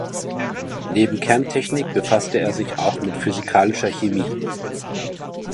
Neben Kerntechnik befasste er sich auch mit Physikalischer Chemie.